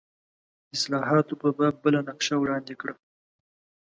اصلاحاتو په باب بله نقشه وړاندې کړه.